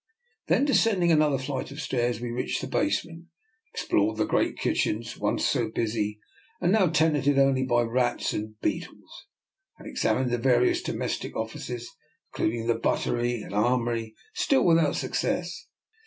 Then descending another flight of stairs, we reached the base ment, explored the great kitchens, once so busy, and now tenanted only by rats and bee tles, and examined the various domestic of fices, including the buttery and armoury, still without success.